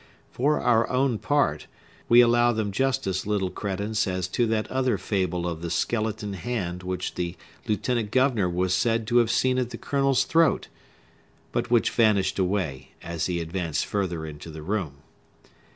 For our own part, we allow them just as little credence as to that other fable of the skeleton hand which the lieutenant governor was said to have seen at the Colonel's throat, but which vanished away, as he advanced farther into the room.